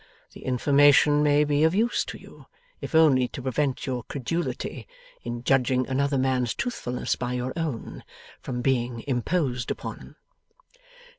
The information may be of use to you, if only to prevent your credulity, in judging another man's truthfulness by your own, from being imposed upon.